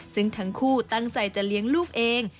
ซึ่งทั้งคู่ตั้งใจจะเลี้ยงลูกเอง